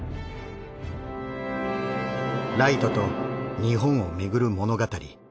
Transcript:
ライトと日本をめぐる物語。